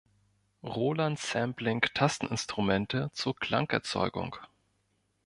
Roland Sampling Tasteninstrumente zur Klangerzeugung.